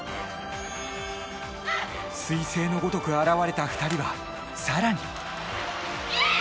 彗星のごとく現れた２人は更に。